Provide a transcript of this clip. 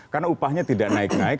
karena upahnya tidak naik naik